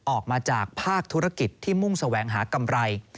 ออกมาจากภาคธุรกิจที่มุ่งแสวงหากำไร